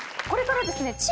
これからですね